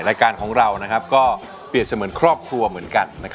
รายการของเราก็เปรียบเสมือนครอบครัวเหมือนกัน